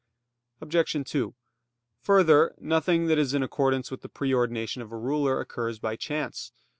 Obj. 2: Further, nothing that is in accordance with the pre ordination of a ruler occurs by chance.